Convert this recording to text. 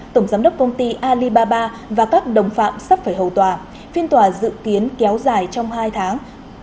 tổng giám đốc công ty alibaba và các đồng phạm sắp phải hầu tòa phiên tòa dự kiến kéo dài trong hai tháng